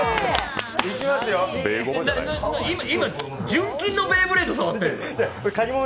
今、純金のベイブレード触ってるの？